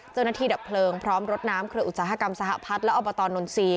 ดับเพลิงพร้อมรถน้ำเครืออุตสาหกรรมสหพัฒน์และอบตนนทรีย์